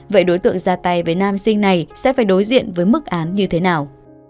vậy đối tượng ra tay với nam sinh này sẽ phải đối diện với mức án như thế nào